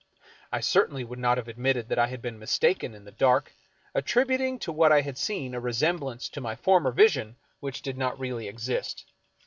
I certainly would not have admitted that I had been mistaken in the dusk, attributing to what I had seen a resemblance to my former vision which did not really exist.